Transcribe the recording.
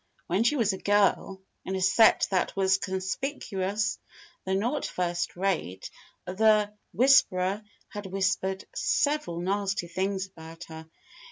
When she was a girl, in a set that was conspicuous though not first rate, the "Whisperer" had whispered several nasty things about her.